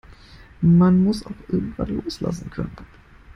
Man muss auch irgendwann loslassen können.